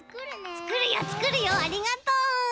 つくるよつくるよありがとう。